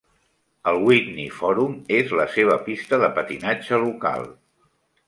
El Whitney Forum és la seva pista de patinatge local.